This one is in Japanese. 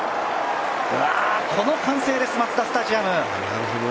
この歓声です、マツダスタジアム。